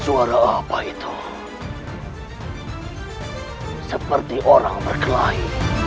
suara apa itu seperti orang berkelahi